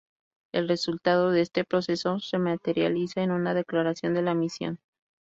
El resultado de este proceso se materializa en una declaración de la misión.